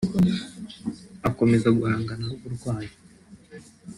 akomeza guhangana n’uburwayi